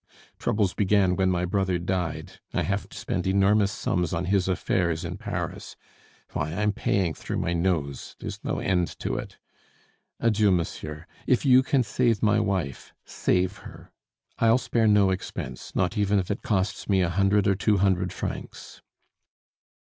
Troubles began when my brother died; I have to spend enormous sums on his affairs in Paris. Why, I'm paying through my nose; there's no end to it. Adieu, monsieur! If you can save my wife, save her. I'll spare no expense, not even if it costs me a hundred or two hundred francs."